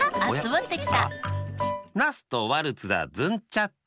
ナスとワルツだズンチャッチャ。